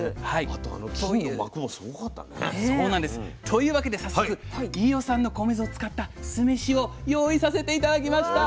というわけで早速飯尾さんの米酢を使った酢飯を用意させて頂きました！